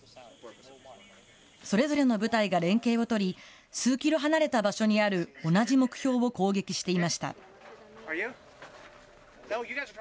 それぞれの部隊が連携を取り、数キロ離れた場所にある同じ目標を攻撃していました。